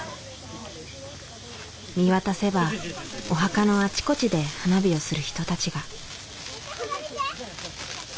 見渡せばお墓のあちこちで花火をする人たちが。